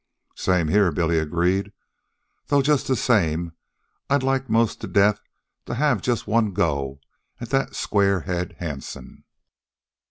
"Same here," Billy agreed. "Though just the same I'd like most to death to have just one go at that squarehead Hansen."